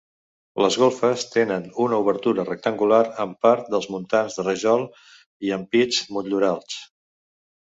Les golfes tenen una obertura rectangular amb part dels muntants de rajol i ampits motllurats.